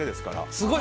すごい。